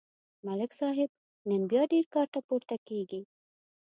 ملک صاحب نن بیا ډېر کارته پورته کېږي.